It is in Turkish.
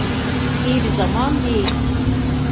İyi bir zaman değil.